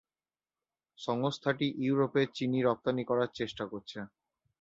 সংস্থাটি ইউরোপে চিনি রপ্তানি করার চেষ্টা করছে।